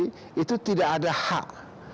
audit investigasi itu tidak ada hak